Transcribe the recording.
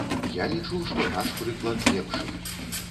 Я лічу, што наш прыклад лепшы.